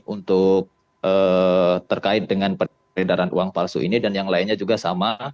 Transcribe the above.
untuk terkait dengan peredaran uang palsu ini dan yang lainnya juga sama